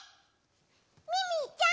ミミィちゃん